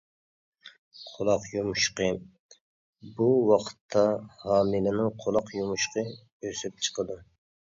قۇلاق يۇمشىقى: بۇ ۋاقىتتا ھامىلىنىڭ قۇلاق يۇمشىقى ئۆسۈپ چىقىدۇ.